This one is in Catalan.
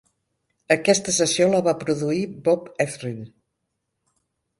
Aquesta sessió la va produir Bob Ezrin.